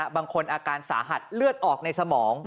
บางคนอาการสาหัสเลือดออกในสมอง